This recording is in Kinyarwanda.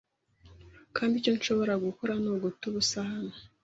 kandi icyo nshobora gukora ni uguta ubusa hano